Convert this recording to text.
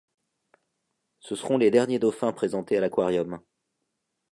Ce seront les derniers dauphins présenté à l'aquarium.